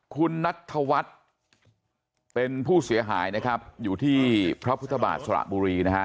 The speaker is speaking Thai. คุณนัทธวัฒน์เป็นผู้เสียหายนะครับอยู่ที่พระพุทธบาทสระบุรีนะฮะ